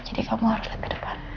jadi kamu harus lebih depan